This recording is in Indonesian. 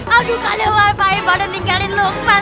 aduh kalian warfain pada ninggalin lu